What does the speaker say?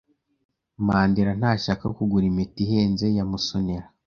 Mandera ntashaka kugura impeta ihenze ya Musonera.